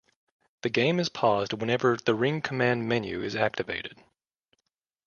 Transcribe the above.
The game is paused whenever the Ring Command menu is activated.